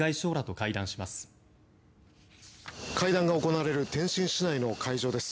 会談が行われる天津市内の会場です。